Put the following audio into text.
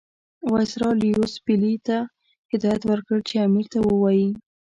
وایسرا لیویس پیلي ته هدایت ورکړ چې امیر ته ووایي.